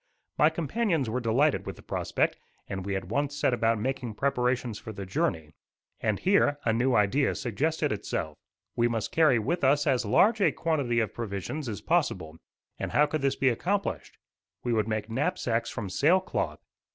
My companions were delighted with the prospect, and we at once set about making preparations for the journey; and here a new idea suggested itself. We must carry with us as large a quantity of provisions as possible, and how could this be accomplished? We would make knapsacks from sail cloth.